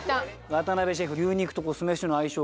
渡辺シェフ牛肉と酢飯の相性